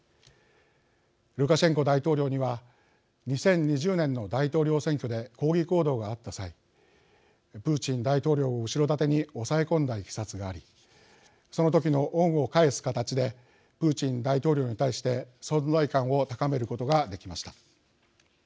ルカシェンコ大統領には２０２０年の大統領選挙で抗議行動があった際プーチン大統領を後ろ盾に抑え込んだいきさつがありその時の恩を返す形でプーチン大統領に対して存在感を高めることができました。